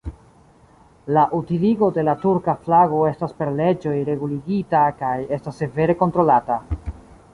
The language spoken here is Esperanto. La utiligo de la turka flago estas per leĝoj reguligita kaj estas severe kontrolata.